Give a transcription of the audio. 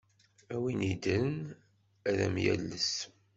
A win iddren ad am-yales!